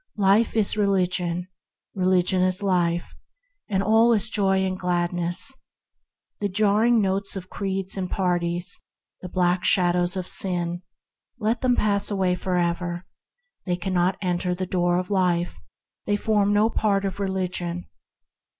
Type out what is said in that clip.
Life is Religion, Religion is life, and all is Joy and Gladness. The jarring notes of creeds and parties, the black shadows of sin, let them pass away for ever; they cannot enter the Door of Life; they form no part of Religion.